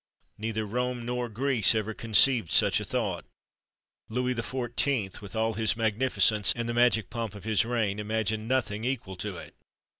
Neither Rome nor Greece ever conceived such a thought! Louis XIV., with all his magnificence, and the magic pomp of his reign, imagined nothing equal to it!